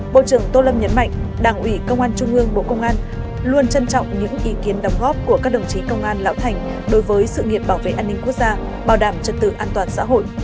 bộ trưởng tô lâm nhấn mạnh đảng ủy công an trung ương bộ công an luôn trân trọng những ý kiến đóng góp của các đồng chí công an lão thành đối với sự nghiệp bảo vệ an ninh quốc gia bảo đảm trật tự an toàn xã hội